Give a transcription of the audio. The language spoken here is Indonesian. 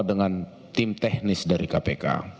dengan tim teknis dari kpk